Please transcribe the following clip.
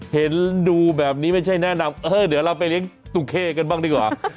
เห็นดูแบบนี้ไม่ใช่แนะนำเออเดี๋ยวเราไปเลี้ยงตุเข้กันบ้างดีกว่า